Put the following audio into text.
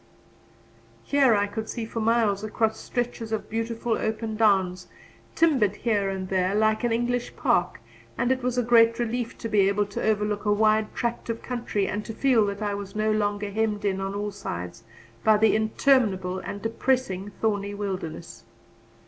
Here I could see for miles across stretches of beautiful, open downs, timbered here and there like an English park; and it was a great relief to be able to overlook a wide tract of country and to feel that I was no longer hemmed in on all sides by the interminable and depressing thorny wilderness.